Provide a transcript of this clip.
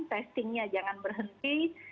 testingnya jangan berhenti